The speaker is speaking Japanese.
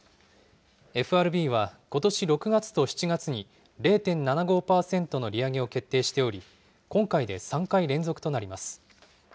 ＦＲＢはことし６月と７月に、０．７５％の利上げを決定しており、今回で３回連続となります。